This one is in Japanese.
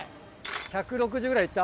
１６０ぐらい行った？